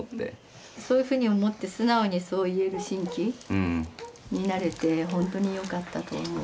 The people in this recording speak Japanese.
そういうふうに思って素直にそう言える真気になれてほんとによかったと思う。